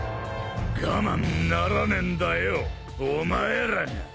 我慢ならねえんだよお前らが。